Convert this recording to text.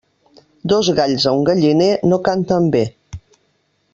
Dos galls a un galliner, no canten bé.